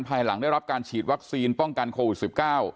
ภายหลังได้รับการฉีดวัคซีนป้องกันโควิด๑๙